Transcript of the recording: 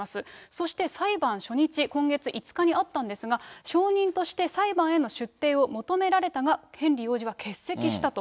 そして裁判初日、今月５日にあったんですが、証人として裁判への出廷を求められたが、ヘンリー王子は欠席したと。